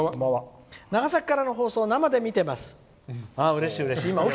長崎からの放送生で見ています」。